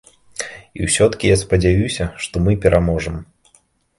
І ўсё-ткі я спадзяюся, што мы пераможам.